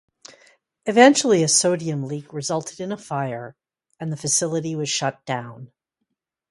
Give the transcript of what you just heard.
Eventually a sodium leak resulted in a fire, and the facility was shut down.